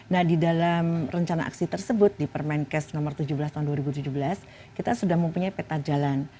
nah di dalam rencana aksi tersebut di permenkes nomor tujuh belas tahun dua ribu tujuh belas kita sudah mempunyai peta jalan